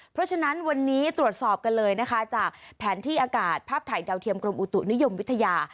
เพราะฉะนั้นวันนี้ตรวจสอบกันเลยนะคะจากแผนที่อากาศภาพถ่ายดาวเทียมกรมอุตุนิยมวิทยา